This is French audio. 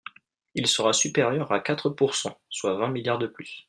Il sera supérieur à quatre pourcent, soit vingt milliards de plus.